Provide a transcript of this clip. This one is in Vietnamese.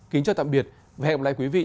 kính chào tạm biệt và hẹn gặp lại quý vị